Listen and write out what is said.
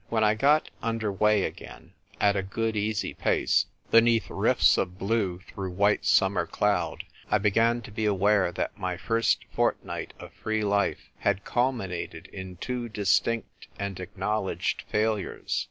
When I got under weigh again, at a good easy pace, beneath rifts of blue through white summer cloud, I began to be aware that my first fortnight of free life had culminated in two distinct and acknowledged failures.